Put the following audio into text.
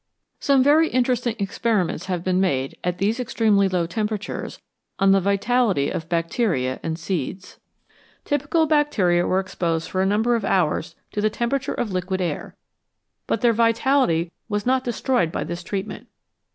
Some very interesting experiments have been made at these extremely low temperatures on the vitality of bacteria and seeds. Typical bacteria were exposed for 190 BELOW ZERO a mmilxT of hours to the temperature of liquid air, but their vitality was not destroyed by this treatment.